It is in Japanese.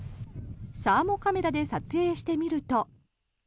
サーモカメラで撮影してみると。